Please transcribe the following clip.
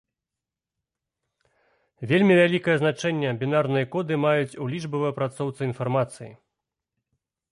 Вельмі вялікае значэнне бінарныя коды маюць у лічбавай апрацоўцы інфармацыі.